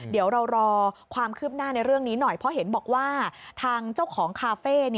เดี๋ยวเรารอความคืบหน้าในเรื่องนี้หน่อยเพราะเห็นบอกว่าทางเจ้าของคาเฟ่